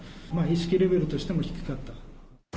意識レベルとしても低かった。